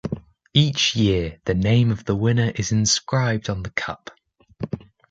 Each year, the name of the winner is inscribed on the Cup.